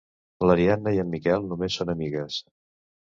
L'Ariadna i en Miquel només són amigues.